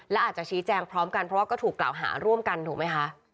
และอาจจะชี้แจงพร้อมกันเพราะว่าก็ถูกกล่าวหาร่วมกันถูกไหมคะ